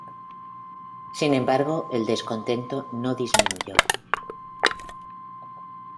Sin embargo, el descontento no disminuyó.